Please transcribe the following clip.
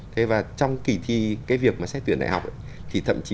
thế và trong kỳ thi cái việc mà xét tuyển đại học